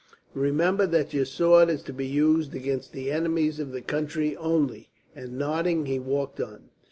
"Remember that your sword is to be used against the enemies of the country, only," and nodding, he walked on.